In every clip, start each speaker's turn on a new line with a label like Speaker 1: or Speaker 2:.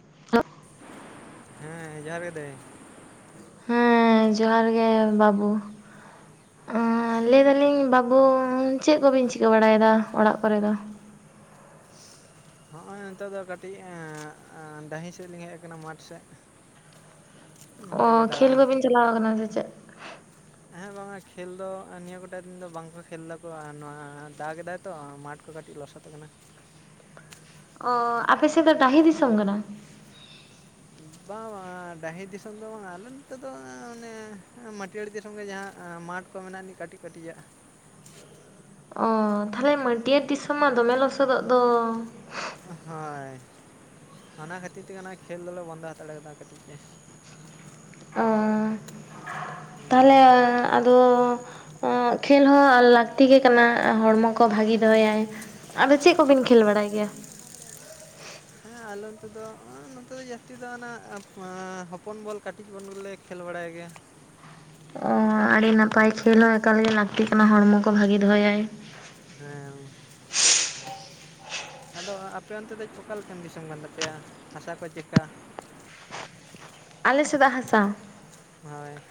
Speaker 1: [unintelligible]
Speaker 2: ᱦᱮᱸ ᱡᱚᱦᱟᱨ ᱜᱮ ᱫᱟᱹᱭ,
Speaker 1: ᱦᱮᱸ ᱡᱚᱦᱟᱨ ᱜᱮ ᱵᱟᱹᱵᱩ, ᱞᱟᱹᱭ ᱮ ᱫᱟᱞᱤᱧ ᱵᱟᱹᱵᱩ ᱪᱮᱫ ᱠᱚᱵᱤᱱ ᱪᱤᱠᱟᱹ ᱵᱟᱲᱟᱭᱮᱫᱟ ᱚᱲᱟᱜ ᱠᱚᱨᱮ ᱫᱚ?
Speaker 2: ᱦᱚᱸᱜᱼᱚᱭ ᱱᱤᱛᱚᱜ ᱫᱚ ᱠᱟᱹᱴᱤᱡ ᱰᱟᱺᱦᱤ ᱥᱮᱫ ᱞᱤᱧ ᱦᱮᱡ ᱟᱠᱟᱱᱟ ᱢᱟᱴ ᱥᱮᱫ᱾
Speaker 1: ᱚ
Speaker 2: ᱱᱚᱛᱮ ᱜᱮ
Speaker 1: ᱠᱷᱮᱞ
Speaker 2: ᱫᱟᱬᱟᱱ
Speaker 1: ᱠᱚᱵᱤᱱ ᱪᱟᱞᱟᱣ ᱟᱠᱟᱱᱟ ᱥᱮ ᱪᱮᱫ?
Speaker 2: ᱦᱮᱸ ᱵᱟᱝᱟ ᱠᱷᱮᱞ ᱫᱚ ᱱᱤᱭᱟᱹ ᱜᱚᱴᱟ ᱫᱤᱱ ᱫᱚ ᱵᱟᱝᱠᱚ ᱠᱷᱮᱞ ᱫᱟᱠᱚ, ᱱᱚᱣᱟ ᱫᱟᱜ ᱜᱮᱫᱟᱭ ᱛᱚ ᱢᱟᱴᱷ ᱠᱚ ᱠᱟᱹᱴᱤᱡ ᱞᱚᱥᱚᱫ ᱟᱠᱟᱱᱟ᱾
Speaker 1: ᱚ ᱟᱯᱮ ᱥᱮᱫ ᱫᱚ ᱰᱟᱦᱤ ᱫᱤᱥᱚᱢ ᱠᱟᱱᱟ?
Speaker 2: ᱵᱟᱝ ᱵᱟᱝ ᱰᱟᱹᱸᱦᱤ ᱫᱤᱥᱚᱢ ᱫᱚ ᱵᱟᱝᱼᱟ ᱟᱞᱮ ᱱᱚᱛᱮ ᱫᱚ ᱚᱱᱮ ᱢᱟᱹᱴᱭᱟᱹᱲᱤ ᱫᱤᱥᱚᱢ ᱜᱮ ᱡᱟᱦᱟᱸ ᱢᱟᱴᱷ ᱠᱚ ᱢᱮᱱᱟᱜᱼᱟ ᱟᱹᱱᱤᱡ ᱠᱟᱹᱴᱤᱡ ᱠᱟᱹᱴᱤᱡᱟᱜ,
Speaker 1: ᱚᱻ ᱛᱟᱦᱚᱞᱮ ᱢᱟᱹᱴᱤᱭᱟᱹᱲ ᱫᱤᱥᱚᱢ ᱢᱟ ᱫᱚᱢᱮ ᱞᱚᱥᱚᱫᱚᱜ ᱫᱚ,
Speaker 2: ᱦᱳᱭ, ᱚᱱᱟ ᱠᱷᱟᱹᱛᱤᱨ ᱛᱮᱜᱮ ᱱᱚᱜᱼᱚᱭ ᱠᱷᱮᱞ ᱫᱚᱞᱮ ᱵᱚᱱᱫᱚ ᱦᱟᱛᱟᱲᱮ ᱠᱟᱫᱟ ᱠᱟᱹᱴᱤᱡ ᱛᱮ᱾
Speaker 1: ᱚ, ᱛᱟᱦᱞᱮ ᱟᱫᱚ ᱠᱷᱮᱞ ᱦᱚᱸ ᱞᱟᱹᱠᱛᱤ ᱜᱮ ᱠᱟᱱᱟ ᱦᱚᱲᱢᱚ ᱠᱚ ᱠᱚ ᱵᱷᱟᱜᱤ ᱫᱚᱦᱚᱭᱟᱭ᱾ ᱟᱫᱚ ᱪᱮᱫ ᱠᱚᱵᱤᱱ ᱠᱷᱮᱞ ᱵᱟᱲᱟᱭ ᱜᱮᱭᱟ?
Speaker 2: ᱦᱮᱸ ᱟᱞᱮ ᱱᱚᱛᱮ ᱫᱚ ᱱᱚᱛᱮ ᱫᱚ ᱡᱟᱹᱥᱛᱤ ᱫᱚ ᱦᱚᱯᱚᱱ ᱵᱚᱞ ᱠᱟᱹᱴᱤᱡ ᱵᱚᱱ ᱜᱮᱞᱮ ᱠᱷᱮᱞ ᱵᱟᱲᱟᱭ ᱜᱮᱭᱟ᱾
Speaker 1: ᱚ, ᱟᱹᱰᱤ ᱱᱟᱯᱟᱭ ᱠᱷᱮᱞ ᱦᱚᱸ ᱮᱠᱟᱞᱜᱮ ᱞᱟᱹᱠᱛᱤ ᱠᱟᱱᱟ ᱦᱚᱲᱢᱚ ᱠᱚ ᱵᱷᱟᱜᱮ ᱫᱚᱦᱚᱭᱟᱭ᱾
Speaker 2: ᱦᱮᱸ, ᱟᱫᱚ ᱟᱯᱮ ᱚᱱᱛᱮ ᱫᱚ ᱚᱠᱟᱞᱮᱠᱟᱱ ᱫᱤᱥᱚᱢ ᱠᱟᱱ ᱛᱟᱯᱮᱭᱟ ᱦᱟᱥᱟ ᱠᱚ ᱪᱮᱫ ᱠᱟ?
Speaker 1: ᱟᱞᱮᱥᱮᱫᱟᱜ ᱦᱟᱥᱟ?
Speaker 2: ᱦᱳᱭ,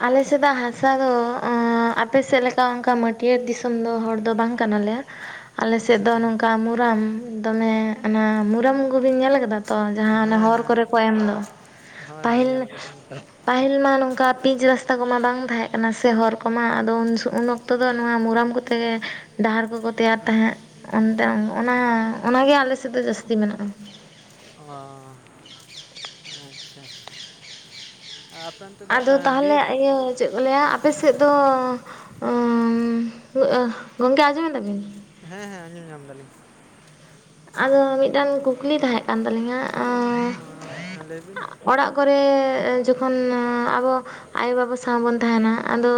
Speaker 1: ᱟᱞᱮ ᱥᱮᱫᱟᱜ ᱦᱟᱥᱟ ᱫᱚ ᱚᱸ ᱟᱯᱮ ᱥᱮᱫ ᱞᱮᱠᱟ ᱚᱱᱠᱟ ᱢᱟᱹᱴᱭᱟᱹᱲ ᱫᱤᱥᱚᱢ ᱫᱚ ᱦᱚᱲ ᱫᱚ ᱵᱟᱝ ᱠᱟᱱᱟᱞᱮ᱾ ᱟᱞᱮᱥᱮᱫ ᱫᱚ
Speaker 2: ᱟᱪᱪᱷᱟ
Speaker 1: ᱱᱚᱝᱠᱟ ᱢᱩᱨᱟᱢ ᱫᱚᱢᱮ᱾ ᱚᱱᱟ ᱢᱩᱨᱟᱢ ᱠᱚᱵᱤᱱ ᱧᱮᱞ ᱟᱠᱟᱫᱟ ᱛᱚ ᱡᱟᱦᱟᱸ ᱚᱱᱟ
Speaker 2: ᱦᱮᱸ
Speaker 1: ᱦᱚᱨ
Speaker 2: ᱦᱮᱸ
Speaker 1: ᱠᱚᱨᱮ ᱠᱚ ᱮᱢ ᱫᱚ?
Speaker 2: ᱦᱳᱭ ᱦᱳᱭ
Speaker 1: ᱯᱟᱹᱦᱤᱞ
Speaker 2: ᱧᱮᱞ ᱠᱟᱫᱟᱞᱤᱧ
Speaker 1: ᱯᱟᱹᱦᱤᱞ ᱢᱟ ᱱᱚᱝᱠᱟ ᱯᱤᱪ ᱨᱟᱥᱛᱟ ᱠᱚᱢᱟ ᱵᱟᱝ ᱛᱟᱦᱮᱸ ᱠᱟᱱᱟ ᱥᱮ ᱦᱚᱨ ᱠᱚᱢᱟ ᱟᱫᱚ ᱩᱱ ᱚᱠᱛᱚ ᱫᱚ ᱱᱚᱣᱟ ᱢᱩᱨᱟᱢ ᱠᱚᱛᱮ ᱜᱮ ᱰᱟᱦᱟᱨ ᱠᱚᱠᱚ ᱛᱮᱭᱟᱨ ᱛᱟᱦᱮᱸᱫ ᱚᱱᱛᱮ ᱚᱱᱟ ᱚᱱᱟᱜᱮ ᱟᱞᱮ ᱥᱮᱫ ᱫᱚ ᱡᱟᱹᱥᱛᱤ ᱢᱮᱱᱟᱜᱼᱟ᱾
Speaker 2: ᱚᱻ ᱟᱪᱪᱷᱟ᱾ ᱟᱯᱮ ᱚᱱᱛᱮ ᱫᱚ
Speaker 1: ᱟᱫᱚ ᱛᱟᱦᱚᱞᱮ
Speaker 2: ᱵᱤᱨ
Speaker 1: ᱤᱭᱟᱹ ᱪᱮᱫ ᱠᱚ ᱞᱟᱹᱭᱟ ᱟᱯᱮ ᱥᱮᱫ ᱫᱚ ᱩᱸᱻ ᱜᱚᱝᱠᱮ ᱟᱸᱡᱚᱢᱮᱫᱟᱵᱤᱱ?
Speaker 2: ᱦᱮᱸ ᱦᱮᱸ ᱟᱸᱡᱚᱢ ᱧᱟᱢ ᱫᱟᱞᱤᱧ᱾
Speaker 1: ᱟᱫᱚ ᱢᱤᱫᱴᱟᱱ ᱠᱩᱠᱞᱤ ᱛᱟᱦᱮᱸᱜ ᱠᱟᱱ ᱛᱟᱞᱤᱝᱟ᱾
Speaker 2: ᱚ ᱦᱮᱸ ᱞᱟᱹᱭ ᱵᱤᱱ᱾
Speaker 1: ᱚᱲᱟᱜ ᱠᱚᱨᱮ ᱡᱚᱠᱷᱚᱱ ᱟᱵᱚ ᱟᱭᱳ ᱵᱟᱵᱟ ᱥᱟᱶ ᱵᱚᱱ ᱛᱟᱦᱮᱱᱟ, ᱟᱫᱚ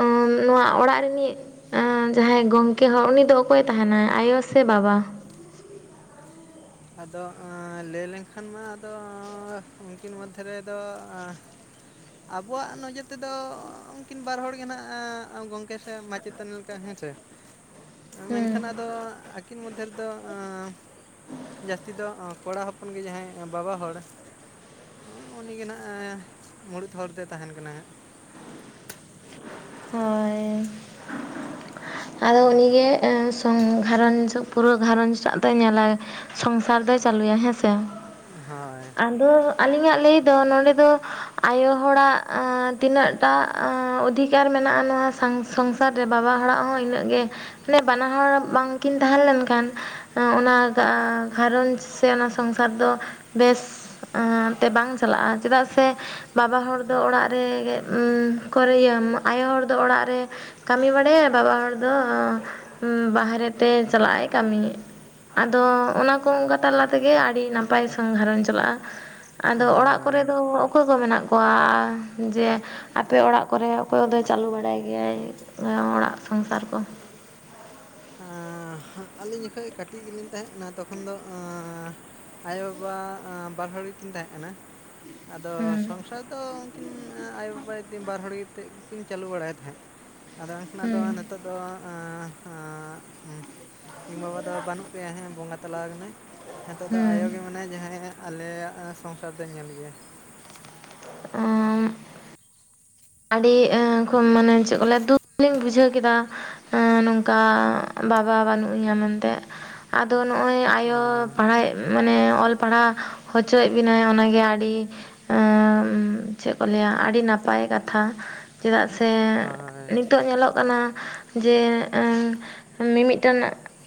Speaker 1: ᱚᱸ ᱱᱚᱣᱟ ᱚᱲᱟᱜ ᱨᱤᱱᱤᱡ ᱮᱸ ᱡᱟᱦᱟᱸᱭ ᱜᱚᱢᱴᱝᱠᱮ ᱦᱚᱲ ᱩᱱᱤ ᱫᱚ ᱚᱠᱚᱭ ᱛᱟᱦᱮᱱᱟᱭ ᱟᱭᱳ ᱥᱮ ᱵᱟᱵᱟ?
Speaker 2: ᱟᱫᱚ ᱟᱸ ᱞᱟᱹᱭ ᱞᱮᱱᱠᱷᱟᱱ ᱢᱟ ᱟᱫᱚ, ᱩᱱᱠᱤᱱ ᱢᱚᱫᱽᱫᱷᱮ ᱨᱮᱫᱚ ᱟ ᱟᱵᱚᱣᱟᱜ ᱱᱚᱡᱚᱨ ᱛᱮᱫᱚ ᱩᱱᱠᱤᱱ ᱵᱟᱨ ᱦᱚᱲ ᱜᱮ ᱱᱟᱜ ᱜᱚᱝᱠᱮ ᱥᱮ ᱢᱟᱪ ᱪᱮᱛᱟᱱ ᱞᱮᱠᱟ ᱦᱮᱸ ᱥᱮ,
Speaker 1: [inaudible]
Speaker 2: ᱮᱸ ᱢᱮᱱᱠᱷᱟᱱ ᱟᱫᱚ ᱟᱹᱠᱤᱱ ᱢᱚᱫᱽᱫᱷᱮ ᱨᱮᱫᱚ ᱮᱸ ᱡᱟᱹᱥᱛᱤ ᱫᱚ ᱚ ᱠᱚᱲᱟ ᱦᱚᱯᱚᱱ ᱜᱮ ᱡᱟᱦᱟᱸᱭ ᱵᱟᱵᱟ ᱦᱚᱲ ᱩᱸ ᱩᱱᱤ ᱜᱮ ᱱᱟᱦᱟᱜ ᱮᱸᱢᱩᱲᱩᱫ ᱦᱚᱲ ᱫᱚᱭ ᱛᱟᱦᱮᱱ ᱠᱟᱱᱟ ᱦᱟᱸᱜ᱾
Speaker 1: ᱦᱳᱭ᱾ ᱟᱫᱚ ᱩᱱᱤ ᱜᱮ ᱮᱸ ᱥᱚᱝ ᱜᱷᱟᱨᱚᱸᱡᱽ ᱯᱩᱨᱟᱹ ᱜᱷᱟᱨᱚᱸᱡᱽ ᱴᱟᱜ ᱫᱚᱭ ᱧᱮᱞᱟᱭ᱾ ᱥᱚᱝᱥᱟᱨ ᱫᱚᱭ ᱪᱟᱹᱞᱩᱭᱟ, ᱦᱮᱸ ᱥᱮ?
Speaker 2: ᱦᱳᱭ᱾
Speaker 1: ᱟᱫᱚ ᱟᱹᱞᱤᱧᱟᱜ ᱞᱟᱹᱭ ᱫᱚ ᱱᱚᱰᱮ ᱫᱚ ᱟᱭᱳ ᱦᱚᱲᱟᱜ ᱮᱸ ᱛᱤᱱᱟᱹᱜ ᱴᱟ ᱮᱸ ᱚᱫᱷᱤ ᱠᱟᱨ ᱢᱮᱱᱟᱜᱼᱟ ᱱᱚᱣᱟ ᱥᱟᱝ ᱥᱚᱝᱥᱟᱨ ᱨᱮ ᱵᱟᱵᱟ ᱦᱚᱲᱟᱜ ᱦᱚᱸ ᱤᱱᱟᱹᱜ ᱜᱮ ᱢᱟᱱᱮ ᱵᱟᱱᱟ ᱦᱚᱲᱟᱜ ᱵᱟᱝᱠᱤᱱ ᱛᱟᱦᱮᱸ ᱞᱮᱱᱠᱷᱟᱱ ᱮᱸ ᱚᱱᱟ ᱜᱟ ᱜᱷᱟᱨᱚᱸᱡᱽ ᱥᱮ ᱚᱱᱟ ᱥᱚᱝᱥᱟᱨ ᱫᱚ ᱵᱮᱥ ᱮᱸ ᱛᱮ ᱵᱟᱝ ᱪᱟᱞᱟᱜᱼᱟ ᱪᱮᱫᱟᱜ ᱥᱮ ᱵᱟᱵᱟ ᱦᱚᱲ ᱫᱚ ᱚᱲᱟᱜ ᱨᱮ ᱜᱮ ᱠᱚᱨᱮ ᱤᱭᱟᱹᱢ ᱟᱭᱳ ᱦᱚᱲ ᱫᱚ ᱚᱲᱟᱜ ᱨᱮ ᱠᱟᱹᱢᱤ ᱵᱟᱲᱟᱭᱟᱭ ᱵᱟᱵᱟ ᱦᱚᱲ ᱫᱚ ᱩᱸ ᱵᱟᱦᱨᱮ ᱛᱮ ᱪᱟᱞᱟᱜ ᱟᱭ ᱠᱟᱹᱢᱤ᱾ ᱟᱫᱚ ᱚᱱᱟ ᱠᱚ ᱚᱱᱠᱟ ᱛᱟᱞᱟ ᱛᱮᱜᱮ ᱟᱹᱰᱤ ᱱᱟᱯᱟᱭ ᱥᱚᱝ ᱜᱷᱟᱨᱚᱧᱡ ᱪᱟᱞᱟᱜᱼᱟ᱾ ᱟᱫᱚ ᱚᱲᱟᱜ
Speaker 2: ᱦᱳᱭ
Speaker 1: ᱠᱚᱨᱮ ᱫᱚ ᱚᱠᱚᱭ ᱠᱚ ᱢᱮᱱᱟᱜ ᱠᱚᱣᱟ ᱡᱮ ᱟᱯᱮ ᱚᱲᱟᱜ ᱠᱚᱨᱮᱜ? ᱚᱠᱚᱭ ᱫᱚᱭ ᱪᱟᱹᱞᱩ ᱵᱟᱲᱟᱭ ᱜᱮᱭᱟᱭ ᱚᱲᱟᱜ ᱥᱚᱝᱥᱟᱨ ᱠᱚ?
Speaker 2: ᱮᱸᱻ ᱟᱹᱞᱤᱧ ᱡᱚᱠᱷᱚᱡ ᱠᱟᱹᱴᱤᱡ ᱜᱮᱞᱤᱧ ᱛᱟᱦᱮᱸᱜ ᱠᱟᱱᱟ ᱛᱚᱠᱷᱚᱱ ᱫᱚ ᱮᱸ ᱟᱭᱳ ᱵᱟᱵᱟ ᱮᱸ ᱵᱟᱨ ᱦᱚᱲ ᱜᱮᱠᱤᱱ ᱛᱟᱦᱮᱸᱜ ᱠᱟᱱᱟ ᱟᱫᱚ
Speaker 1: ᱦᱩᱸ
Speaker 2: ᱥᱚᱝᱥᱟᱨ ᱫᱚ [unintelligible] ᱟᱭᱳ ᱵᱟᱵᱟ [unintelligible] ᱵᱟᱨ ᱦᱚᱲ ᱜᱮᱛᱮᱫ ᱜᱮᱠᱤᱱ ᱪᱟᱹᱞᱩ ᱵᱟᱲᱟᱭ ᱛᱟᱦᱮᱸᱫ᱾ ᱟᱫᱚ ᱮᱱᱠᱷᱱᱟᱜ ᱟᱫᱚ
Speaker 1: ᱦᱩᱸ
Speaker 2: ᱱᱤᱛᱚᱜ ᱫᱚ ᱮᱸᱻᱮᱸ ᱩᱸ ᱤᱧ ᱵᱟᱵᱟ ᱫᱚ ᱵᱟᱹᱱᱩᱜ ᱜᱮᱭᱟᱭ ᱦᱮᱸ ᱵᱚᱸᱜᱟ ᱛᱟᱞᱟ ᱟᱠᱟᱱᱟᱭ, ᱦᱤᱛᱚᱜ ᱫᱚ
Speaker 1: ᱦᱩᱸ
Speaker 2: ᱟᱭᱳ ᱜᱮ ᱢᱮᱱᱟᱭᱟ ᱡᱟᱦᱟᱸᱭ ᱟᱞᱮᱭᱟᱜ ᱥᱚᱝᱥᱟᱨ ᱫᱚᱭ ᱧᱮᱞ ᱜᱮᱭᱟᱭ᱾
Speaker 1: ᱚᱸ᱾ ᱟᱹᱰᱤ ᱮᱸ [unintelligible] ᱢᱟᱱᱮ ᱪᱮᱫ ᱠᱚ ᱞᱟᱹᱭᱟ ᱫᱩᱠᱷ ᱞᱤᱧ ᱵᱩᱡᱷᱟᱹᱣ ᱠᱮᱫᱟ᱾ ᱮᱸ ᱱᱚᱝᱠᱟ ᱵᱟᱵᱟ ᱵᱟᱹᱱᱩᱜ ᱮᱭᱟ ᱢᱮᱱᱛᱮᱜ ᱟᱫᱚ ᱱᱚᱜᱼᱚᱭ ᱟᱭᱳ ᱯᱟᱲᱦᱟᱭ ᱢᱟᱱᱮ ᱚᱞ ᱯᱟᱲᱦᱟᱣ ᱦᱚᱪᱚᱭᱮᱫ ᱵᱮᱤᱱᱟᱭ ᱚᱱᱟᱜᱮ ᱟᱹᱰᱤ ᱮᱸ ᱪᱮᱫ ᱠᱚ ᱞᱟᱹᱭᱟ ᱟᱹᱰᱤ ᱱᱟᱯᱟᱭ [unintelligible] ᱛᱷᱟ ᱪᱮᱫᱟᱜ ᱥᱮ
Speaker 2: ᱦᱳᱭ
Speaker 1: ᱱᱤᱛᱚᱜ ᱧᱮᱞᱚᱜ ᱠᱟᱱᱟ ᱡᱮ
Speaker 2: [inaudible]
Speaker 1: ᱢᱤᱼᱢᱤᱫᱴᱮᱱ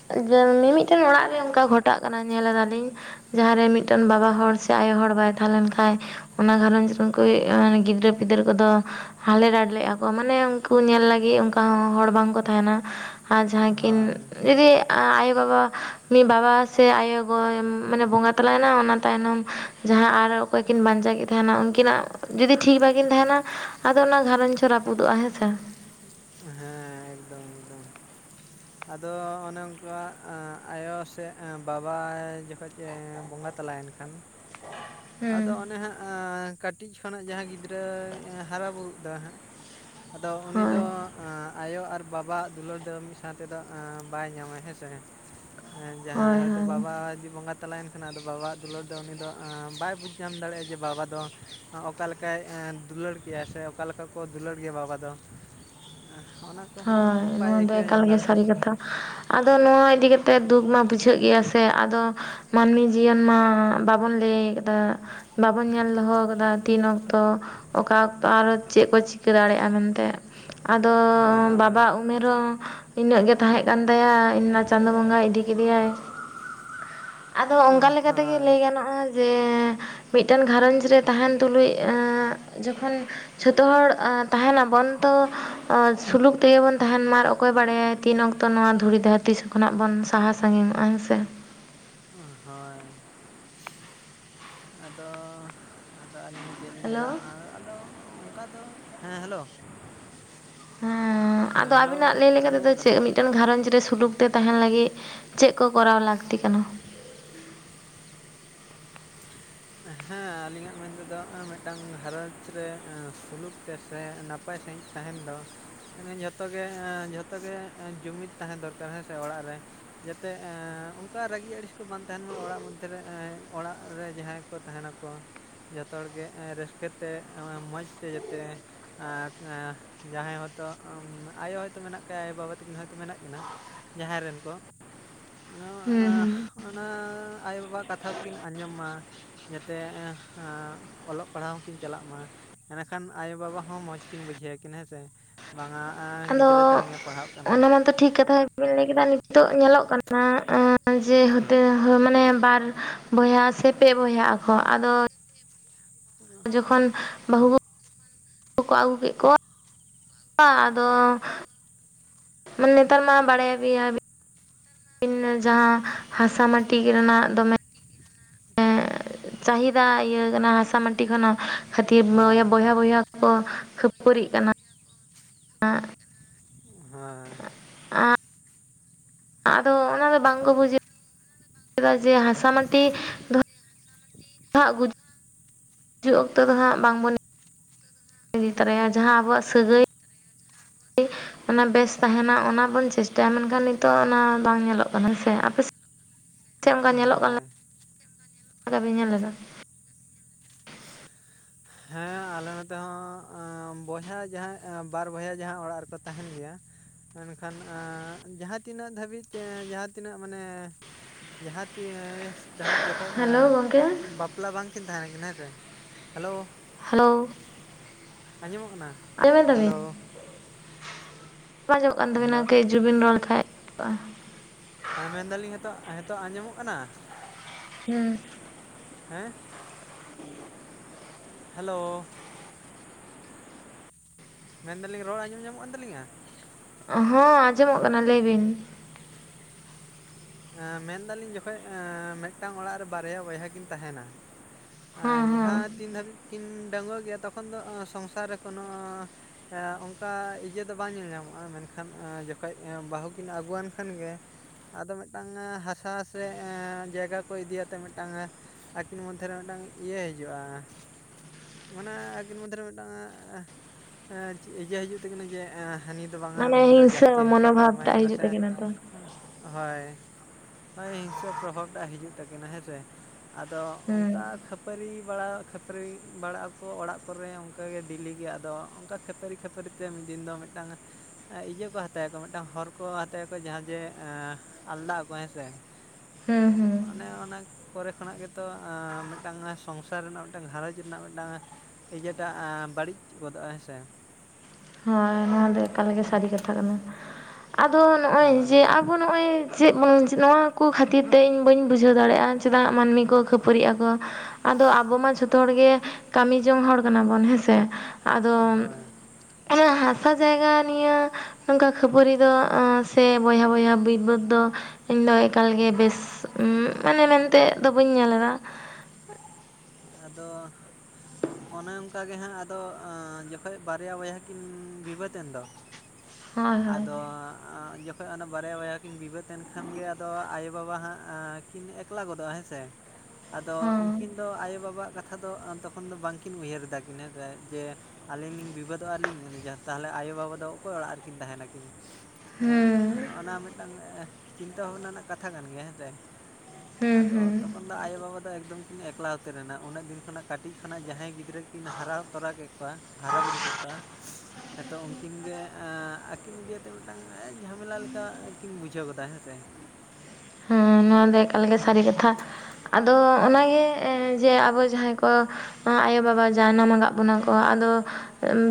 Speaker 1: ᱡᱮ ᱢᱤᱼᱢᱤᱫᱴᱮᱱ ᱚᱲᱟᱜ ᱨᱮ ᱚᱱᱠᱟ ᱜᱷᱚᱴᱟᱜ ᱠᱟᱱᱟ ᱧᱮᱞ ᱮᱫᱟᱞᱤᱧ ᱡᱟᱦᱟᱸ ᱨᱮ ᱢᱤᱫᱴᱮᱱ ᱵᱟᱵᱟ ᱦᱚᱲ ᱥᱮ ᱟᱭᱳ ᱦᱚᱲ ᱵᱟᱭ ᱵᱟᱭ ᱛᱟᱦᱮᱸ ᱞᱮᱱ ᱠᱷᱟᱡ ᱚᱱᱟ ᱜᱷᱟᱨᱚᱸᱡᱽ ᱨᱮᱱ ᱜᱤᱫᱽᱨᱟᱹ ᱯᱤᱫᱽᱟᱹᱨ ᱠᱚᱫᱚ ᱦᱟᱞᱮ ᱰᱟᱞᱮᱜ ᱟᱠᱚ ᱢᱟᱱᱮ ᱩᱱᱠᱩ ᱧᱮᱞ ᱞᱟᱹᱜᱤᱫ ᱚᱱᱠᱟ ᱦᱚᱸ ᱦᱚᱲ ᱵᱟᱝ ᱠᱚ ᱛᱟᱦᱮᱱᱟ ᱾ ᱟᱨ ᱡᱟᱦᱟᱸ ᱠᱤᱱ
Speaker 2: ᱦᱳᱭ
Speaker 1: ᱟᱭᱳᱼᱵᱟᱵᱟ ᱢᱤᱫ ᱵᱟᱵᱟ ᱥᱮ ᱟᱭᱳ ᱜᱚᱭ ᱢᱟᱱᱮ ᱵᱚᱸᱜᱟ ᱛᱟᱞᱟᱭᱮᱱᱟ ᱚᱱᱟ ᱛᱟᱭᱱᱚᱢ ᱡᱟᱦᱟᱭ ᱟᱨ ᱚᱠᱚᱭᱠᱤᱱ ᱵᱟᱧᱪᱟᱣ ᱛᱟᱦᱮᱱᱟ ᱩᱱᱠᱤ ᱱᱟᱜ ᱡᱩᱫᱤ ᱴᱷᱤᱠ ᱵᱟᱹᱠᱤᱱ ᱛᱟᱦᱮᱱᱟ ᱟᱫᱚ ᱚᱱᱟ ᱜᱷᱟᱨᱚᱸᱡᱽ ᱦᱚᱸ ᱨᱟᱹᱯᱩᱫᱚᱜᱼᱟ, ᱦᱮᱸᱥᱮ?
Speaker 2: ᱦᱮᱸ ᱮᱠᱫᱚᱢ ᱮᱠᱫᱚᱢ᱾ ᱟᱫᱚ ᱚᱱᱮ ᱚᱱᱠᱟ ᱟᱭᱳ ᱥᱮ ᱵᱟᱵᱟ ᱡᱚᱠᱷᱚᱡ ᱵᱚᱸᱜᱟ ᱛᱟᱞᱟᱭᱮᱱ ᱠᱷᱟᱱ
Speaker 1: ᱦᱩᱸ
Speaker 2: ᱟᱫᱚ ᱚᱱᱮ ᱦᱟᱸᱜ ᱠᱟᱹᱴᱤᱡ ᱠᱷᱚᱱᱟᱜ ᱡᱟᱦᱟᱸ ᱜᱤᱫᱽᱨᱟᱹ ᱦᱟᱨᱟ ᱵᱩᱨᱩᱜ ᱫᱚ ᱦᱟᱸᱜ ᱟᱫᱚ ᱩᱱᱤ ᱫᱚ
Speaker 1: ᱦᱳᱭ
Speaker 2: ᱟᱭᱳ ᱟᱨ ᱵᱟᱵᱟᱣᱟᱜ ᱫᱩᱞᱟᱹᱲ ᱫᱚ ᱢᱤᱫ ᱥᱟᱶ ᱛᱮᱫᱚ ᱵᱟᱭ ᱧᱟᱢᱟ, ᱦᱮᱸᱥᱮ? ᱡᱟᱦᱟᱸᱭ
Speaker 1: ᱦᱳᱭ
Speaker 2: ᱦᱚᱭᱛᱳ
Speaker 1: ᱦᱳᱭ
Speaker 2: ᱵᱟᱵᱟ ᱡᱩᱫᱤ ᱵᱚᱸᱜᱟ ᱛᱟᱞᱟᱭᱮᱱ ᱠᱷᱟᱱ ᱟᱫᱚ ᱵᱟᱵᱟᱣᱟᱜ ᱫᱩᱞᱟᱹᱲ ᱫᱚ ᱩᱱᱤ ᱫᱚ ᱵᱟᱭ ᱵᱩᱡᱽ ᱧᱟᱢ ᱫᱟᱲᱮᱭᱟᱜᱼᱟ ᱡᱮ ᱵᱟᱵᱟ ᱫᱚ ᱚᱠᱟ ᱞᱮᱠᱟᱭ ᱫᱩᱞᱟᱹᱲ ᱠᱤᱭᱟ ᱥᱮ ᱚᱠᱟ ᱞᱮᱠᱟ ᱠᱚ ᱫᱩᱞᱟᱹᱲ ᱜᱮᱭᱟ ᱵᱟᱵᱟ ᱫᱚ ᱮᱸ ᱚᱱᱟ ᱠᱚᱦᱚᱸ
Speaker 1: ᱦᱳᱭ
Speaker 2: ᱵᱟᱭ
Speaker 1: ᱱᱚᱣᱟ ᱫᱚ
Speaker 2: ᱟᱹᱭᱠᱟᱹᱣ ᱧᱟᱢ
Speaker 1: ᱮᱠᱟᱞ ᱜᱮ ᱥᱟᱹᱨᱤ
Speaker 2: ᱫᱟᱲᱮᱭᱟᱜᱼᱼᱟ᱾
Speaker 1: ᱠᱟᱛᱷᱟ ᱟᱫᱚ ᱱᱚᱣᱟ ᱤᱫᱤ ᱠᱟᱛᱮ ᱫᱩᱠ ᱢᱟ ᱵᱩᱡᱷᱟᱹᱜ ᱜᱮᱭᱟ ᱥᱮ, ᱟᱫᱚ ᱢᱟᱹᱱᱢᱤ ᱡᱤᱭᱚᱱ ᱢᱟ ᱵᱟᱵᱚᱱ ᱞᱟᱹᱭ ᱠᱟᱫᱟ ᱵᱟᱵᱚᱱ ᱧᱮᱞ ᱫᱚᱦᱚ ᱠᱟᱫᱟ ᱛᱤᱱ ᱚᱠᱛᱚ ᱚᱠᱟ ᱚᱠᱛᱚ ᱟᱨ ᱪᱮᱫ ᱠᱚ ᱪᱤᱠᱟᱹ ᱫᱟᱲᱮᱭᱟᱜᱼᱟ ᱢᱮᱱ ᱛᱮᱫ, ᱟᱫᱚ
Speaker 2: ᱦᱳᱭ
Speaker 1: ᱵᱟᱵᱟᱜ ᱩᱢᱮᱨ ᱦᱚᱸ ᱤᱱᱟᱹᱜ ᱜᱮ ᱛᱟᱦᱮᱸ ᱠᱟᱱ ᱛᱟᱭᱟ ᱚᱱᱟ ᱪᱟᱸᱫᱳ ᱵᱚᱸᱜᱟᱭ ᱤᱫᱤ ᱠᱮᱫᱮ ᱭᱟᱭ, ᱟᱫᱚ ᱚᱱᱠᱟ ᱞᱮᱠᱟ ᱛᱮᱜᱮ ᱞᱟᱹᱭ ᱜᱟᱱᱚᱜᱼᱟ ᱡᱮ ᱢᱤᱫ ᱴᱮᱱ ᱜᱷᱟᱨᱚᱸᱡᱽ ᱨᱮ ᱛᱟᱦᱮᱱ ᱛᱩᱞᱩᱡ ᱡᱚᱠᱷᱚᱱ ᱡᱷᱚᱛᱚ ᱦᱚᱲ ᱛᱟᱦᱮᱱ ᱟᱵᱚᱱ ᱛᱚ ᱥᱩᱞᱩᱠ ᱛᱮᱜᱮ ᱵᱚᱱ ᱛᱟᱦᱮᱱ ᱢᱟ ᱟᱨ ᱚᱠᱚᱭ ᱵᱟᱲᱟᱭ ᱛᱤᱱ ᱚᱠᱛᱚ ᱱᱚᱣᱟ ᱫᱷᱩᱲᱤ ᱫᱷᱟᱨᱛᱤ ᱥᱮᱫ ᱠᱷᱚ ᱱᱟᱜ ᱵᱚᱱ ᱥᱟᱦᱟ ᱥᱟᱸᱜᱤᱧᱚᱜᱼᱟ ᱦᱮᱸ ᱥᱮ ᱾
Speaker 2: ᱦᱳᱭ ᱟᱫᱚ ᱟᱫᱚ ᱟᱹᱞᱤᱧ ᱦᱚᱸ ᱪᱮᱫ ᱞᱤᱧ
Speaker 1: ᱦᱮᱞᱳ
Speaker 2: ᱢᱮᱱᱟ ᱦᱳᱭ ᱟᱫᱚ ᱚᱱᱠᱟ ᱫᱚ ᱦᱮᱸ ᱦᱮᱞᱳ ᱾
Speaker 1: ᱦᱮᱸ ᱟᱫᱚ
Speaker 2: ᱦᱮᱞᱳ
Speaker 1: ᱟᱵᱤᱱ ᱱᱟᱜ ᱞᱟᱹᱭ ᱞᱮᱠᱟ ᱛᱮ
Speaker 2: ᱟᱸᱡᱚᱢᱚᱜ
Speaker 1: ᱫᱚ
Speaker 2: ᱠᱟᱱ
Speaker 1: ᱪᱮᱫ
Speaker 2: ᱛᱟᱹᱞᱤᱧᱟ
Speaker 1: ᱢᱤᱫᱴᱮᱱ ᱜᱷᱟᱨᱚᱧᱡᱽ ᱨᱮ ᱥᱩᱞᱩᱠ ᱛᱟᱦᱮᱱ ᱞᱟᱹᱜᱤᱫ ᱪᱮᱫ ᱠᱚ ᱠᱚᱨᱟᱣ ᱞᱟᱹᱠᱛᱤ ᱠᱟᱱᱟ?
Speaker 2: ᱦᱮᱸ ᱟᱹᱞᱤᱧ ᱟᱜ ᱢᱮᱱ ᱛᱮ ᱫᱚ ᱱᱚᱜᱼᱚᱭ ᱢᱤᱫ ᱴᱟᱝ ᱜᱷᱟᱨᱚᱸᱡᱽ ᱨᱮ ᱥᱩᱞᱩᱠ ᱛᱮ ᱥᱮ ᱱᱟᱯᱟᱭ ᱥᱟᱸᱦᱤᱡ ᱛᱟᱦᱮᱱ ᱫᱚ ᱡᱷᱚᱛᱚ ᱜᱮ ᱡᱷᱚᱛᱚ ᱜᱮ ᱡᱩᱢᱤᱫ ᱛᱟᱦᱮᱸ ᱫᱚᱨᱠᱟᱨ ᱦᱮᱸ ᱥᱮ ᱚᱲᱟᱜ ᱨᱮ, ᱡᱟᱛᱮ ᱚᱱᱠᱟ ᱨᱟᱹᱜᱤ ᱟᱹᱲᱤᱥ ᱠᱚ ᱵᱟᱝ ᱛᱟᱦᱮᱱ ᱢᱟ ᱚᱲᱟᱜ ᱢᱚᱫᱽᱫᱷᱮ ᱨᱮ, ᱚᱲᱟᱜ ᱨᱮ ᱡᱟᱦᱟᱸᱭ ᱠᱚ ᱛᱟᱦᱮᱸᱱ ᱱᱟᱠᱚ ᱡᱷᱚᱛᱚ ᱦᱚᱲ ᱜᱮ ᱨᱟᱹᱥᱠᱟᱹ ᱛᱮ ᱢᱚᱡᱽ ᱛᱮ ᱡᱟᱛᱮ ᱡᱟᱦᱟᱸᱭ ᱦᱚᱭ ᱛᱚ ᱟᱭᱳ ᱦᱚᱭ ᱛᱳ ᱢᱮᱱᱟᱜ ᱠᱚ ᱟᱭᱳᱼᱵᱟᱵᱟ ᱛᱟᱹᱠᱤᱱ ᱦᱚᱭ ᱛᱳ ᱢᱮᱱᱟᱜ ᱠᱤᱱᱟ ᱡᱟᱦᱟᱸᱭ ᱨᱮᱱ ᱠᱚ,
Speaker 1: ᱦᱩᱸ ᱦᱩᱸ
Speaker 2: ᱚᱱᱟ ᱟᱭᱳᱼᱵᱟᱵᱟ ᱟᱜ ᱠᱟᱛᱷᱟ ᱠᱚᱠᱤᱱ ᱟᱸᱡᱚᱢ ᱢᱟ, ᱡᱟᱛᱮ ᱚᱞᱚᱜ ᱯᱟᱲᱦᱟᱜ ᱦᱚᱸ ᱠᱤᱱ ᱪᱟᱞᱟᱜ ᱢᱟ, ᱮᱰᱮ ᱠᱷᱟᱱ ᱟᱭᱳᱼᱵᱟᱵᱟ ᱦᱚᱸ ᱢᱚᱸᱡᱽ ᱠᱤᱱ ᱵᱩᱡᱷᱟᱹᱣ ᱟᱠᱤᱱ ᱦᱮᱸ ᱥᱮ ᱾ ᱵᱟᱝᱟ ᱜᱤᱫᱽᱨᱟᱹ
Speaker 1: ᱟᱫᱚ
Speaker 2: ᱛᱟᱹᱞᱤᱧ ᱮ ᱯᱟᱲ ᱦᱟᱜ ᱠᱟᱱᱟᱭ ᱾
Speaker 1: [unintelligible] ᱴᱷᱤᱠ ᱠᱟᱛᱷᱟ ᱵᱤᱱ ᱞᱟᱹᱭ ᱠᱮᱫᱟ ᱱᱤᱛᱚᱜ ᱧᱮᱞᱚᱜ ᱠᱟᱱᱟ ᱡᱮ [unintelligible] ᱢᱟᱱᱮ ᱵᱟᱨ ᱵᱚᱭᱦᱟ ᱥᱮ ᱯᱮ ᱵᱚᱭᱦᱟᱜ ᱟᱠᱚ ᱟᱫᱚ ᱡᱚᱠᱷᱚᱱ ᱵᱟᱹᱦᱩ ᱠᱚ ᱟᱹᱜᱩ ᱠᱮᱫ ᱠᱚᱣᱟ, ᱟᱫᱚ ᱢᱟᱱᱮ ᱱᱮᱛᱟᱨ ᱢᱟ ᱵᱟᱲᱟᱭᱟ ᱜᱮᱭᱟ ᱵᱤᱱ ᱡᱟᱦᱟᱸ ᱦᱟᱥᱟ ᱢᱟᱴᱤ ᱨᱮᱱᱟᱜ ᱫᱚᱢᱮ ᱪᱟᱹᱦᱤᱫᱟ ᱤᱭᱟᱹ ᱠᱟᱱᱟ᱾ ᱦᱟᱥᱟ ᱢᱟᱹᱴᱤ ᱠᱷᱚᱱᱟᱜ ᱠᱷᱟᱹᱛᱤᱨ
Speaker 2: ᱦᱳᱭ
Speaker 1: ᱵᱚᱭᱦᱟ ᱵᱚᱭᱦᱟ ᱠᱚ ᱠᱷᱟᱹᱯᱟᱹᱨᱤᱜ ᱠᱟᱱᱟ᱾
Speaker 2: ᱦᱮᱸ᱾
Speaker 1: ᱟᱸ᱾ ᱟᱫᱚ ᱚᱱᱟ ᱫᱚ ᱵᱟᱝ ᱜᱮ ᱵᱩᱡᱷᱟᱹᱜ ᱡᱮ ᱦᱟᱥᱟ-ᱢᱟᱴᱤ [unintelligible] ᱜᱩᱡᱩᱜ ᱚᱠᱛᱚ ᱫᱚ ᱦᱟᱜ ᱵᱟᱝ ᱵᱚᱱ ᱤᱫᱤ ᱛᱚᱨᱟᱭᱟ᱿ ᱡᱟᱦᱟᱸ ᱟᱵᱚᱣᱟᱜ ᱥᱟᱹᱜᱟᱹᱭ ᱵᱮᱥ ᱛᱟᱦᱮ ᱱᱟ ᱚᱱᱟ ᱵᱚᱱ ᱪᱮᱥ ᱴᱟᱭᱟ ᱢᱮᱱ ᱠᱷᱟᱱ ᱱᱤᱛᱚᱜ ᱚᱱᱟ ᱵᱟᱝ ᱧᱮᱞᱚᱜ ᱠᱟᱱᱟ ᱥᱮ᱾ ᱟᱯᱮ ᱥᱮᱱ ᱥᱮ ᱚᱱᱠᱟ ᱧᱮᱞᱚᱜ ᱠᱟᱱᱟ,
Speaker 2: ᱦᱳᱭ
Speaker 1: ᱚᱱᱠᱟ ᱵᱤᱱ ᱧᱮᱞ ᱞᱮᱫᱟ᱾
Speaker 2: ᱦᱮᱸ ᱟᱞᱮ ᱱᱚᱛᱮ ᱦᱚᱸ ᱵᱚᱭᱦᱟ ᱡᱟᱦᱟᱸᱭ ᱵᱟᱨ ᱵᱚᱭᱦᱟ ᱡᱟᱦᱟᱸᱭ ᱚᱲᱟᱜ ᱨᱮ ᱠᱚ ᱛᱟᱦᱮᱱ ᱜᱮᱭᱟ᱾ ᱢᱮᱱ ᱠᱷᱟᱱ ᱡᱟᱦᱟᱸ ᱛᱤᱱᱟᱹᱜ ᱫᱷᱟᱹᱵᱤᱡ ᱡᱟᱦᱟᱸ ᱛᱤᱱᱟᱹᱜ ᱢᱟᱱᱮ ᱡᱟᱦᱟᱸ ᱛᱤᱥ ᱫᱷᱟᱹᱵᱤᱡ ᱡᱚᱠᱷᱚᱡ
Speaker 1: ᱦᱮᱞᱳ ᱜᱚᱝᱠᱮ
Speaker 2: ᱵᱟᱯᱞᱟ ᱵᱟᱝ ᱠᱤᱱ ᱛᱟᱦᱮᱱᱟ ᱠᱤᱱ ᱦᱮᱸ ᱥᱮ, ᱦᱮᱞᱳ!
Speaker 1: ᱦᱮᱞᱳ᱾
Speaker 2: ᱟᱸᱡᱚᱢᱚᱜ ᱠᱟᱱᱟ? ᱦᱮᱞᱳ
Speaker 1: [unintelligible] ᱵᱟᱝ ᱟᱡᱚᱢᱚᱜ ᱠᱟᱱ ᱛᱟᱜᱤᱱᱟ
Speaker 2: ᱦᱮᱞᱳ
Speaker 1: ᱪᱮᱫ ᱪᱚᱵᱤᱱ ᱨᱚᱲ ᱠᱷᱟᱡ?
Speaker 2: ᱦᱮᱸ ᱢᱮᱱ ᱫᱟᱞᱤᱧ ᱱᱤᱛᱚᱜ ᱱᱤᱛᱚᱜ ᱟᱸᱡᱚᱢᱚᱜ ᱠᱟᱱᱟ᱾
Speaker 1: ᱦᱮᱸ᱾
Speaker 2: ᱦᱮᱸ? ᱦᱮᱞᱳ! ᱢᱮᱱ ᱫᱟᱞᱤᱧ ᱨᱚᱲ ᱟᱸᱡᱚᱢ ᱧᱟᱢᱚᱜ ᱠᱟᱱ ᱛᱟᱹᱞᱤᱧᱟ?
Speaker 1: ᱦᱚᱸ ᱟᱸᱡᱚᱢᱚᱜ ᱠᱟᱱᱟ ᱞᱟᱹᱭ ᱵᱤᱱ
Speaker 2: ᱢᱮᱱ ᱫᱟᱞᱤᱧ ᱡᱚᱠᱷᱚᱱ ᱢᱤᱫ ᱴᱟᱝ ᱚᱲᱟᱜ ᱨᱮ ᱵᱟᱨᱭᱟ ᱵᱚᱭᱦᱟ ᱠᱤᱱ ᱛᱟᱦᱮᱸᱱᱟ᱾
Speaker 1: ᱦᱚᱸ
Speaker 2: ᱟᱸ
Speaker 1: ᱦᱚᱸ
Speaker 2: ᱡᱟᱦᱟᱸ ᱛᱤᱱ ᱫᱷᱟᱹᱵᱤᱡ ᱠᱤᱱ ᱰᱟᱺᱜᱽᱣᱟᱹ ᱜᱮᱭᱟ, ᱛᱚᱠᱷᱚᱱ ᱫᱚ ᱥᱚᱝᱥᱟᱨ ᱨᱮ ᱠᱚᱱᱚ ᱚᱱᱠᱟ ᱤᱡᱟᱹ ᱫᱚ ᱵᱟᱝ ᱧᱮᱞ ᱧᱟᱢᱚᱜᱼᱟ, ᱢᱮᱱᱠᱷᱟᱱ ᱡᱚᱠᱷᱚᱡ ᱵᱟᱹᱦᱩ ᱠᱤᱱ ᱟᱹᱜᱩᱣᱟᱱ ᱠᱷᱟᱱ ᱜᱮ ᱟᱫᱚ ᱢᱤᱫ ᱴᱟᱝ ᱦᱟᱥᱟ ᱥᱮ ᱡᱟᱭᱜᱟ ᱠᱚ ᱤᱫᱤᱭᱟ ᱛᱮ ᱢᱤᱫᱴᱟᱝ ᱟᱹᱠᱤᱱ ᱢᱚᱫᱫᱷᱮ ᱨᱮ ᱢᱤᱫ ᱴᱟᱝ ᱤᱭᱟᱹ ᱦᱤᱡᱩᱜᱼᱟ᱾ ᱢᱟᱱᱮ ᱟᱹᱠᱤᱱ ᱢᱚᱫᱫᱷᱮ ᱨᱮ ᱢᱤᱫ ᱴᱟᱝ ᱤᱡᱟᱹ ᱦᱤᱡᱩᱜ ᱛᱟᱹᱠᱤᱱᱟ ᱡᱮ ᱦᱟᱹᱱᱤ ᱫᱚ ᱵᱟᱝᱼᱟ,
Speaker 1: ᱢᱟᱱᱮ
Speaker 2: ᱩᱱᱤ ᱫᱚ ᱡᱟᱹᱥᱛᱤ
Speaker 1: ᱦᱤᱝᱥᱟᱹ
Speaker 2: ᱦᱟᱥᱟ ᱠᱚ
Speaker 1: ᱢᱚᱱᱳᱵᱷᱟᱵ
Speaker 2: ᱮᱢᱟᱭ
Speaker 1: ᱴᱟᱜ
Speaker 2: ᱠᱟᱱᱟ
Speaker 1: ᱦᱤᱡᱩᱜ
Speaker 2: ᱥᱮ
Speaker 1: ᱛᱟᱹᱠᱤᱱᱟ ᱛᱚ
Speaker 2: ᱦᱳᱭ᱾ ᱦᱳᱭ ᱦᱤᱝᱥᱟᱹ ᱯᱨᱚᱵᱷᱟᱵᱽ ᱴᱟᱜ ᱦᱤᱡᱩᱜ ᱛᱟᱹᱠᱤᱱᱟ ᱦᱮᱸᱥᱮ, ᱟᱫᱚ
Speaker 1: ᱦᱩᱸ
Speaker 2: ᱚᱱᱠᱟ ᱠᱷᱟᱹᱯᱟᱹᱨᱤ ᱵᱟᱲᱟ ᱠᱷᱟᱹᱯᱟᱹᱨᱤ ᱵᱟᱲᱟᱜ ᱟᱠᱚ, ᱚᱲᱟᱜ ᱠᱚᱨᱮ ᱚᱱᱠᱟ ᱜᱮ ᱰᱤᱞᱤ ᱜᱮ᱾ ᱟᱫᱚ ᱚᱱᱠᱟ ᱠᱷᱟᱹᱯᱟᱹᱨᱤ ᱠᱚ ᱠᱷᱮᱯᱟᱹᱨᱤ ᱛᱮ ᱢᱤᱫ ᱫᱤᱱ ᱫᱚ ᱢᱤᱫᱴᱟᱝ ᱤᱡᱟᱹ ᱠᱚ ᱦᱟᱛᱟᱭ ᱟᱠᱚ ᱢᱤᱫᱴᱟᱝ ᱦᱚᱨ ᱠᱚ ᱦᱟᱛᱟᱭ ᱟᱠᱚ᱾ ᱡᱟᱦᱟᱸ ᱡᱮ ᱟᱞᱟᱫᱟᱜ ᱠᱚ ᱦᱮᱸ ᱥᱮ᱾
Speaker 1: ᱦᱩᱸ, ᱦᱩᱸ᱾
Speaker 2: ᱟᱱᱮ ᱚᱱᱟ ᱠᱚᱨᱮ ᱠᱷᱚᱱᱟᱜ ᱜᱮ ᱛᱚ, ᱢᱤᱫᱴᱟᱝ ᱥᱚᱝᱥᱟᱨ ᱨᱮᱱᱟᱜ, ᱢᱤᱫᱴᱟᱝ ᱜᱷᱟᱨᱚᱸᱡᱽ ᱨᱮᱱᱟᱜ, ᱢᱤᱫᱴᱟᱝ ᱤᱡᱟᱹ ᱴᱟᱜ ᱵᱟᱹᱲᱤᱡ ᱜᱚᱫᱚᱜᱼᱟ ᱦᱮᱸ ᱥᱮ᱾
Speaker 1: ᱦᱳᱭ ᱱᱚᱣᱟ ᱫᱚ ᱮᱠᱟᱞ ᱜᱮ ᱥᱟᱹᱨᱤ ᱠᱟᱛᱷᱟ ᱠᱟᱱᱟ᱾ ᱟᱫᱚ ᱱᱚᱜᱼᱚᱭ ᱡᱮ
Speaker 2: ᱦᱳᱭ
Speaker 1: ᱟᱵᱚ ᱱᱚᱜᱼᱚᱭ ᱪᱮᱫ ᱵᱚᱱ ᱱᱚᱣᱟ ᱠᱚ ᱠᱷᱟᱹᱛᱤᱨ ᱛᱮ ᱤᱧ ᱵᱟᱹᱧ ᱵᱩᱡᱷᱟᱹᱣ ᱫᱟᱲᱮᱭᱟᱜᱼᱟ, ᱪᱮᱫᱟᱜ ᱢᱟᱹᱱᱢᱤ ᱠᱚ ᱠᱷᱟᱹᱯᱟᱹᱨᱤᱜ ᱟᱠᱚ? ᱟᱫᱚ ᱟᱵᱚ ᱢᱟ ᱡᱷᱚᱛᱚ ᱦᱚᱲ ᱜᱮ ᱠᱟᱹᱢᱤ ᱡᱚᱝ ᱦᱚᱲ ᱠᱟᱱᱟ ᱵᱚᱱ ᱦᱮᱸᱥᱮ᱾ ᱟᱫᱚ
Speaker 2: ᱦᱳᱭ
Speaker 1: ᱚᱱᱟ ᱦᱟᱥᱟ ᱡᱟᱭᱜᱟ ᱱᱤᱭᱟᱹ ᱱᱚᱝᱠᱟ ᱠᱷᱟᱹᱯᱟᱹᱨᱤ ᱫᱚ ᱥᱮ ᱵᱚᱭᱦᱟ - ᱵᱚᱭᱦᱟ ᱵᱤᱹᱭ ᱵᱟᱹᱫᱽ ᱫᱚ ᱤᱧ ᱫᱚ᱾ ᱮᱠᱟᱞ ᱜᱮ ᱵᱮᱥ ᱢᱟᱱᱮ᱾ ᱢᱮᱱᱛᱮ-ᱜ ᱫᱚ ᱵᱟᱹᱧ ᱧᱮᱞ ᱮᱫᱟ᱾
Speaker 2: ᱟᱫᱚ ᱚᱱᱮ ᱚᱱᱠᱟ ᱜᱮ ᱦᱟᱸᱜ ᱟᱫᱚ ᱾ ᱡᱚᱠᱷᱚᱡ ᱵᱟᱨᱭᱟ - ᱵᱚᱭᱦᱟ ᱠᱤᱱ ᱵᱤᱵᱟᱹᱫᱽ ᱮᱱ ᱫᱚ᱾
Speaker 1: ᱦᱳᱭ ᱦᱳᱭ
Speaker 2: ᱟᱫᱚ ᱡᱚᱠᱷᱚᱡ ᱚᱱᱮ ᱵᱟᱨᱭᱟ ᱵᱚᱭᱦᱟ ᱠᱤᱱ ᱵᱤᱵᱟᱹᱛ ᱮᱱ ᱠᱷᱟᱱ ᱜᱮ ᱾ᱟᱫᱚ ᱟᱭᱳ, ᱵᱟᱵᱟ ᱦᱟᱸᱜ ᱠᱤᱱ ᱮᱠᱞᱟ ᱜᱚᱫᱚᱜᱼᱟ᱾ ᱦᱮᱸ ᱥᱮ
Speaker 1: ᱦ [inaudible]
Speaker 2: ᱟᱫᱚ ᱩᱱᱠᱤᱱ ᱫᱚ ᱟᱭᱳᱼᱵᱟᱵᱟ ᱟᱜ ᱠᱟᱛᱷᱟ ᱫᱚ᱾ ᱛᱚᱠᱷᱚᱱ ᱫᱚ ᱵᱟᱝ ᱠᱤᱱ ᱩᱭᱦᱟᱹᱨ ᱫᱟᱠᱤᱱ᱾ ᱦᱮᱸᱥᱮ ᱡᱮ ᱟᱹᱞᱤᱧ ᱞᱤᱧ ᱵᱤᱵᱟᱹᱫᱚᱜᱼᱟ᱾ ᱟᱹᱞᱤᱧ ᱵᱩᱡᱟ ᱛᱟᱦᱚᱞᱮ ᱟᱭᱳ ᱵᱟᱵᱟ ᱫᱚ ᱚᱠᱚᱭ ᱚᱲᱟᱜ ᱨᱮ ᱠᱤᱱ ᱛᱟᱦᱮᱸᱱᱟᱠᱤᱱ
Speaker 1: ᱦᱩᱸ
Speaker 2: ᱚᱱᱟ ᱢᱤᱫ ᱴᱟᱹᱝ ᱪᱤᱱᱛᱟᱹ ᱵᱷᱟᱵᱱᱟ ᱨᱮᱱᱟ-ᱜ ᱠᱟᱛᱷᱟ ᱠᱟᱱ ᱜᱮᱭᱟ᱾ ᱦᱮᱸᱥᱮ
Speaker 1: ᱦᱩᱸ
Speaker 2: ᱟᱫᱚ
Speaker 1: ᱦᱩᱸ
Speaker 2: ᱛᱚᱠᱷᱚᱱ᱾ ᱫᱚ ᱟᱭᱚ, ᱵᱟᱵᱟ ᱫᱚ ᱮᱠᱫᱚᱢ ᱠᱤᱱ ᱮᱠᱞᱟ ᱩᱛᱟᱹᱨ ᱮᱱᱟ᱾ ᱩᱱᱟᱹᱜ ᱫᱤᱱ ᱠᱷᱚᱱᱟ-ᱜ ᱠᱟᱹᱴᱤᱡ ᱠᱷᱱᱟᱜ ᱡᱟᱦᱟᱸᱭ ᱜᱤᱫᱽᱨᱟᱹ᱾ ᱜᱤᱫᱽᱨᱟᱹ ᱠᱤᱱ ᱦᱟᱨᱟ ᱛᱚᱨᱟ ᱠᱮᱫ ᱠᱚᱣᱟ᱾ ᱦᱟᱨᱟ ᱵᱩᱨᱩ ᱠᱮᱫ ᱠᱚᱣᱟ᱾ ᱦᱮᱸᱛᱚᱜ ᱩᱱᱠᱤᱱ ᱜᱮ ᱩᱱᱠᱤᱱ ᱤᱫᱤᱭᱟᱛᱮ ᱢᱤᱫ ᱴᱟᱝ ᱡᱷᱟᱢᱮᱞᱟ ᱾ᱞᱮᱠᱟ ᱠᱤᱱ ᱵᱩᱡᱷᱟᱹᱣ ᱜᱚᱫᱟ᱾ ᱦᱮᱸ ᱥᱮ
Speaker 1: ᱦᱮᱸ ᱱᱚᱣᱟ ᱫᱚ ᱮᱠᱟᱞ ᱜᱮ ᱥᱟᱹᱨᱤ ᱠᱟᱛᱷᱟ᱾ ᱟᱫᱚ ᱚᱱᱟ ᱜᱮ ᱮᱸ ᱡᱮ ᱟᱵᱚ ᱡᱟᱦᱟᱸᱭ ᱠᱚ᱾ ᱟᱭᱳ, ᱵᱟᱵᱟ ᱡᱟᱱᱟᱢ ᱟᱠᱟᱜ ᱵᱚᱱᱟ ᱠᱚ᱾ ᱟᱫᱚ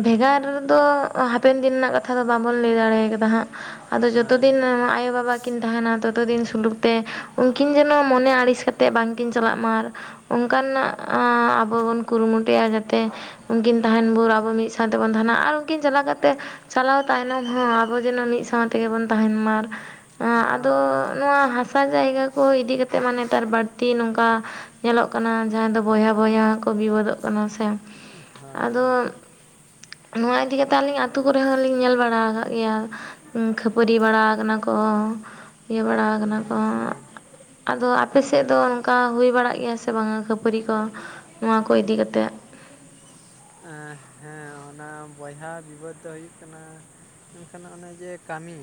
Speaker 1: ᱵᱷᱮᱜᱟᱨ ᱫᱚ᱾ ᱦᱟᱯᱮᱱ ᱫᱤᱱ ᱨᱮᱱᱟ-ᱜ ᱠᱟᱛᱷᱟ ᱫᱚ᱾ ᱵᱟᱵᱚᱱ ᱞᱟᱹᱭ ᱫᱟᱲᱮᱸ ᱠᱟᱫᱟ᱾ ᱦᱟᱸᱜ ᱟᱫᱚ ᱡᱚᱛᱚ
Speaker 2: ᱦᱳᱭ
Speaker 1: ᱫᱤᱱ ᱟᱭᱳ, ᱵᱟᱵᱟ ᱠᱤᱱ ᱛᱟᱦᱮᱸᱱᱟ᱾ ᱛᱚᱛᱚ ᱫᱤᱱ ᱥᱩᱞᱩᱠ ᱛᱮ ᱩᱱᱠᱤᱱ ᱡᱮᱱᱚ ᱢᱚᱱᱮ ᱟᱹᱲᱤᱸᱥ ᱠᱟᱛᱮᱜ᱾ ᱵᱟᱝ ᱠᱤᱱ ᱪᱟᱞᱟᱜ ᱢᱟ᱾ ᱚᱱᱠᱟᱱᱟ-ᱜ ᱟᱵᱚ ᱵᱚᱱ ᱠᱩᱨᱩ ᱢᱩᱴᱩᱼᱭᱟ᱾ ᱡᱟᱛᱮ ᱩᱱᱠᱤᱱ ᱛᱟᱦᱮᱸᱱ ᱵᱷᱽᱳᱨ ᱟᱵᱚ ᱢᱤᱫ ᱥᱟᱶ ᱛᱮᱵᱚᱱ ᱛᱟᱦᱮᱸᱱᱟ ᱾ ᱟᱨ ᱩᱱᱠᱤᱱ ᱪᱟᱞᱟᱣ ᱠᱟᱛᱮ ᱪᱟᱞᱟᱣ ᱛᱟᱭᱱᱚᱢ ᱦᱚᱸ ᱟᱵᱚ ᱡᱮᱱᱚ, ᱢᱤᱫ ᱥᱟᱶ ᱛᱮᱜᱮ ᱵᱚᱱ ᱛᱟᱦᱮᱸᱱ ᱢᱟ᱾ ᱟᱫᱚ
Speaker 2: ᱦᱳᱭ
Speaker 1: ᱱᱚᱣᱟ ᱦᱟᱥᱟ ᱡᱟᱭᱜᱟ ᱠᱚ᱾ ᱤᱫᱤ ᱠᱟᱛᱮᱫ ᱢᱟ ᱾ᱱᱮᱛᱟᱨ ᱵᱟᱹᱲᱛᱤ ᱱᱚᱝᱠᱟ᱾ ᱧᱮᱞᱚᱜ ᱠᱟᱱᱟ᱾ ᱡᱟᱦᱟᱸᱭ ᱫᱚ ᱵᱚᱭᱦᱟ - ᱵᱚᱭᱦᱟ ᱦᱚᱸᱠᱚ ᱵᱤᱵᱟᱹᱫᱚᱜ ᱠᱟᱱᱟ ᱾ ᱥᱮ
Speaker 2: ᱦᱳᱭ
Speaker 1: ᱟᱫᱚ ᱱᱚᱣᱟ ᱤᱫᱤ ᱠᱟᱛᱮ, ᱟᱹᱞᱤᱧ ᱟᱹᱛᱩ ᱠᱚᱨᱮ ᱦᱚᱸᱞᱤᱧ ᱧᱮᱞ ᱵᱟᱲᱟ ᱠᱟᱜ ᱜᱮᱭᱟ᱾ ᱠᱷᱟᱹᱯᱟᱹᱨᱤ ᱵᱟᱲᱟᱣ ᱠᱟᱱᱟ ᱠᱚ ᱾ ᱤᱭᱟᱹ ᱵᱟᱲᱟᱣ ᱠᱟᱱᱟ ᱠᱚ᱾
Speaker 2: ᱟᱪᱪᱷᱟ
Speaker 1: ᱟᱫᱚ ᱟᱯᱮ ᱥᱮᱫ ᱫᱚ ᱾ ᱚᱱᱠᱟ ᱦᱩᱭ ᱵᱟᱲᱟᱜ ᱜᱮᱭᱟ ᱥᱮ ᱵᱟᱝᱟ᱾ ᱠᱷᱟᱹᱯᱟᱹᱨᱤ ᱠᱚ ᱱᱚᱣᱟ ᱠᱚ ᱤᱫᱤ ᱠᱟᱛᱮᱫ?
Speaker 2: ᱮᱸ ᱦᱮᱸ ᱚᱱᱟ ᱵᱚᱭᱦᱟ ᱵᱤᱵᱟᱹᱫᱽ ᱫᱚ ᱦᱩᱭᱩ-ᱜ ᱠᱟᱱᱟ᱾ ᱢᱮᱱᱠᱷᱟᱱ ᱚᱱᱮ ᱡᱮ ᱠᱟᱹᱢᱤ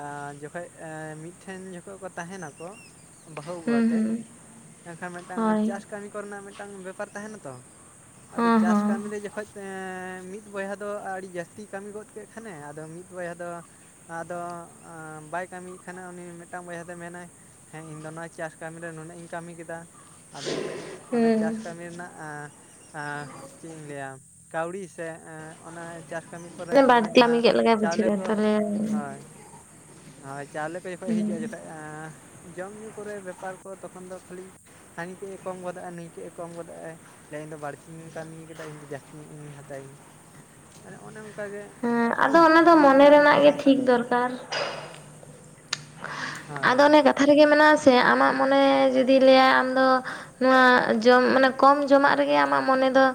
Speaker 2: ᱟᱨ ᱡᱚᱠᱷᱚᱡ ᱮᱸ ᱢᱤᱫᱴᱷᱮᱱ ᱡᱚᱠᱷᱚᱱ ᱠᱚ ᱛᱟᱦᱮᱱᱟᱠᱚ᱾ ᱵᱟᱦᱩ ᱟᱹᱜᱩ
Speaker 1: ᱦᱩᱸ
Speaker 2: ᱠᱟᱛᱮ
Speaker 1: ᱦᱩᱸ
Speaker 2: ᱾ ᱮᱱᱠᱷᱟᱱ ᱢᱤᱫᱴᱟᱝ
Speaker 1: ᱦᱳᱭ
Speaker 2: ᱪᱟᱥ ᱠᱟᱹᱢᱤ ᱠᱚᱨᱮᱱᱟ-ᱜ ᱢᱤᱫᱴᱟᱝ ᱵᱮᱯᱟᱨ ᱛᱟᱦᱮᱱᱟ ᱛᱚ᱾ ᱟᱫᱚ
Speaker 1: ᱦᱮᱸ
Speaker 2: ᱪᱟᱥ ᱠᱟᱹᱢᱤ ᱨᱮ ᱡᱚᱠᱷᱚᱱ ᱢᱤᱫ ᱵᱚᱭᱦᱟ ᱫᱚ, ᱟᱹᱰᱤ ᱡᱟᱹᱥᱛᱤᱭ ᱠᱟᱹᱢᱤ ᱜᱚᱫ ᱠᱮᱫ ᱠᱷᱟᱱᱮ᱾ ᱟᱫᱚ ᱢᱤᱫ ᱵᱚᱭᱦᱟ ᱫᱚ ᱟᱫᱚ ᱵᱟᱭ ᱠᱟᱹᱢᱤᱭᱮᱫ ᱠᱷᱟᱱ ᱾ᱩᱱᱤ ᱢᱤᱫᱴᱟᱝ ᱵᱚᱭᱦᱟ ᱫᱚᱭ ᱢᱮᱱᱟᱭ᱾ ᱦᱮᱸ ᱤᱧ ᱫᱚ ᱱᱚᱣᱟ ᱪᱟᱥ ᱠᱟᱹᱢᱤᱨᱮ ᱱᱩᱱᱟᱹᱜ ᱤᱧ ᱠᱟᱹᱢᱤ ᱠᱮᱫᱟ᱾ ᱟᱫᱚ ᱡᱚᱠᱷᱚᱱ ᱚᱱᱮ
Speaker 1: ᱦᱮᱸ
Speaker 2: ᱪᱟᱥ ᱠᱟᱹᱢᱤ ᱨᱮᱱᱟ-ᱜ ᱪᱮᱫ ᱤᱧ ᱞᱟᱹᱭᱟ᱾ ᱠᱟᱹᱣᱰᱤ ᱥᱮ ᱚᱱᱟ ᱪᱟᱥ ᱠᱟᱹᱢᱤ ᱛᱟᱨᱯᱚᱨᱮ
Speaker 1: ᱦᱩᱸ
Speaker 2: ᱚᱱᱟ
Speaker 1: ᱵᱟᱹᱲᱛᱤ
Speaker 2: ᱡᱟᱦᱟᱸ
Speaker 1: ᱠᱟᱹᱢᱤ ᱠᱮᱫ ᱞᱮᱠᱟᱭ
Speaker 2: ᱪᱟᱣᱞᱮ
Speaker 1: ᱵᱩᱡᱷᱟᱹᱜᱼᱟ
Speaker 2: ᱠᱚ
Speaker 1: ᱛᱟᱦᱚᱞᱮ
Speaker 2: ᱦᱳᱭ ᱟᱨ ᱪᱟᱣᱞᱮ ᱠᱚ ᱡᱚᱠᱷᱚᱡ ᱦᱤᱡᱩᱜᱼᱟ᱾
Speaker 1: ᱦᱩᱸ
Speaker 2: ᱡᱚᱠᱷᱚᱡ ᱡᱚᱢᱼᱧᱩ ᱠᱚᱨᱮ ᱵᱮᱯᱟᱨ ᱠᱚ᱾ ᱛᱚᱠᱷᱚᱱ ᱫᱚ ᱠᱷᱟᱽᱹᱞᱤ ᱦᱟᱹᱱᱤ ᱠᱟᱹᱡ ᱮᱸ ᱠᱚᱢ ᱜᱚᱫᱚᱜ ᱟᱭ᱾ ᱱᱩᱭ ᱠᱟᱹᱡ ᱮᱸ ᱠᱚᱢ ᱜᱚᱫᱚᱜ-ᱟᱭ᱾ ᱞᱟᱹᱭᱟᱭ ᱤᱧ ᱫᱚ ᱵᱟᱹᱲᱛᱤ ᱤᱧ ᱠᱟᱹᱢᱤ ᱟᱠᱟᱫᱟ ᱤᱧ ᱫᱚ ᱡᱟᱹᱥᱛᱤ ᱧᱚᱜ ᱤᱧ ᱦᱟᱛᱟᱣᱤᱧᱟᱹ᱾ ᱢᱟᱱᱮ ᱚᱱᱮ ᱚᱱᱠᱟ ᱚᱱᱠᱟᱜᱮ
Speaker 1: ᱦᱮᱸ ᱟᱫᱚ ᱚᱱᱟ ᱫᱚ
Speaker 2: ᱚᱱᱮ
Speaker 1: ᱢᱚᱱᱮ
Speaker 2: ᱚᱱᱠᱟ
Speaker 1: ᱨᱮᱱᱟᱜ
Speaker 2: ᱢᱤᱫᱴᱟᱱ
Speaker 1: ᱜᱮ
Speaker 2: ᱥᱚᱨᱠᱟᱨᱼᱼ
Speaker 1: ᱴᱷᱤᱠ ᱫᱚᱨᱠᱟᱨ
Speaker 2: ᱦᱟᱴ
Speaker 1: ᱟᱫᱚ ᱚᱱᱮ ᱠᱟᱛᱷᱟ ᱨᱮᱜᱮ ᱢᱮᱱᱟᱜᱼᱟ ᱥᱮ ᱟᱢᱟᱜ ᱢᱚᱱᱮ ᱡᱩᱫᱤ ᱞᱟᱹᱭᱼᱟ ᱟᱢᱫᱚ ᱱᱚᱶᱟ ᱡᱚᱢ ᱢᱟᱱᱮ ᱠᱚᱢ ᱡᱚᱢᱟᱜ ᱨᱮᱜᱮ ᱟᱢᱟᱜ ᱢᱚᱱᱮ ᱫᱚ